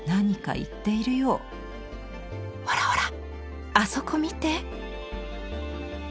「ほらほらあそこ見て」。